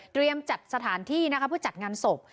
จัดสถานที่นะคะเพื่อจัดงานศพ